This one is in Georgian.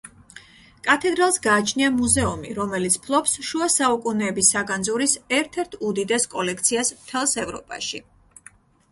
კათედრალს გააჩნია მუზეუმი, რომელიც ფლობს შუა საუკუნეების საგანძურის ერთ-ერთ უდიდეს კოლექციას მთელს ევროპაში.